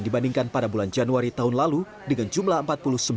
dibandingkan pada bulan januari tahun lalu dengan jumlah empat puluh sembilan